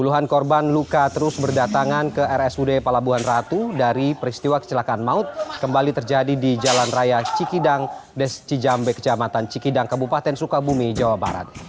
puluhan korban luka terus berdatangan ke rsud pelabuhan ratu dari peristiwa kecelakaan maut kembali terjadi di jalan raya cikidang des cijambe kecamatan cikidang kabupaten sukabumi jawa barat